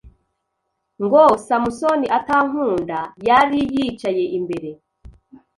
ngo Samusoni atankunda Yariyicaye imbere